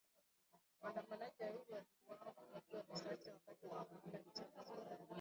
Waandamanaji wawili waliuawa kwa kupigwa risasi wakati wa maandamano nchini Sudan